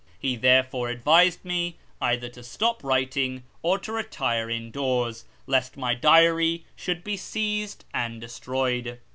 He therefore advised me either to stop writing or to retire indoors, lest my diary should be seized and destroyed.